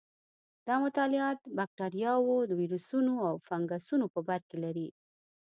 دا مطالعات بکټریاوو، ویروسونو او فنګسونو په برکې لري.